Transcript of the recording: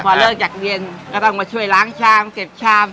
พอเลิกจากเย็นก็ต้องมาช่วยล้างชามเก็บชาม